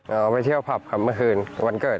เอาไปเที่ยวผับครับเมื่อคืนวันเกิด